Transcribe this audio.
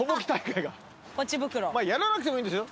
やらなくてもいいんです。